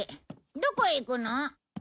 どこへ行くの？